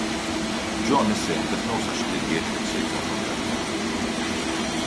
John is saying that no such lineage would save them from judgement.